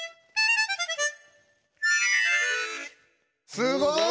すごい！